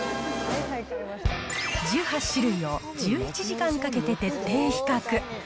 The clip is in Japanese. １８種類を１１時間かけて徹底比較。